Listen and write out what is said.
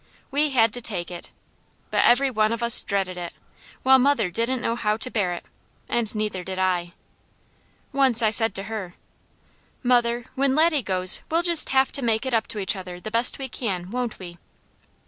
We had to take it, but every one of us dreaded it, while mother didn't know how to bear it, and neither did I. Once I said to her: "Mother, when Laddie goes we'll just have to make it up to each other the best we can, won't we?"